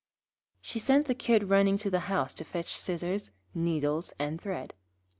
She sent the Kid running to the house to fetch scissors, needles, and thread.